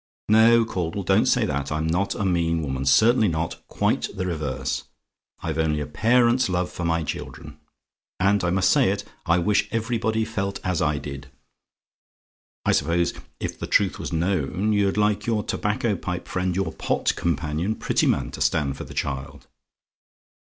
No, Caudle, don't say that I'm not a mean woman certainly not; quite the reverse. I've only a parent's love for my children; and I must say it I wish everybody felt as I did. "I suppose, if the truth was known, you'd like your tobacco pipe friend, your pot companion, Prettyman, to stand for the child?